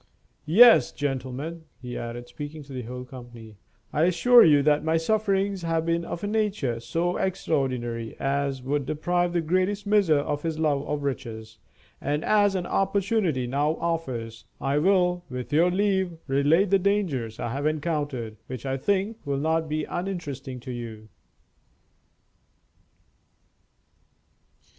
Yes, gentlemen," he added, speaking to the whole company, "I assure you that my sufferings have been of a nature so extraordinary as would deprive the greatest miser of his love of riches; and as an opportunity now offers, I will, with your leave, relate the dangers I have encountered, which I think will not be uninteresting to you."